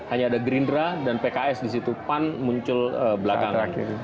hanya ada gerindra dan pks di situ pan muncul belakangan